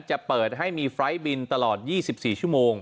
จะเปิดให้มีไฟล์ทบินตลอด๒๔ชั่วโมง